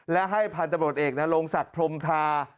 และให้พันธุ์ตำรวจเอกลงศักดิ์พรมทา